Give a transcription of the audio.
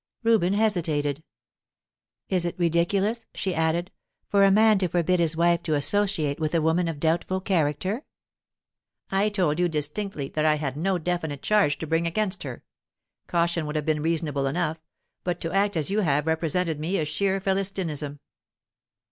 Reuben hesitated. "Is it ridiculous," she added, "for a man to forbid his wife to associate with a woman of doubtful character?" "I told you distinctly that I had no definite charge to bring against her. Caution would have been reasonable enough, but to act as you have represented me is sheer Philistinism."